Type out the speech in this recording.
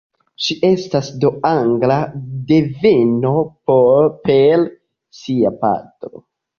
Ŝi estas de angla deveno per sia patro.